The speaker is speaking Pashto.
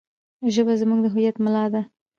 ژبه زموږ د هویت ملا ده.